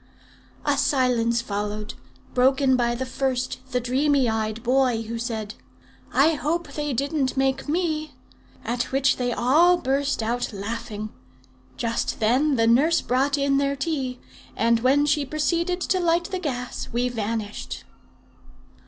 "'A silence followed, broken by the first, the dreamy eyed boy, who said, "'I hope they didn't make me;' at which they all burst out laughing. Just then the nurse brought in their tea, and when she proceeded to light the gas, we vanished."